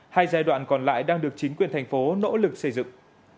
hai giai đoạn còn lại đang được chính quyền thành phố nỗ lực xây dựng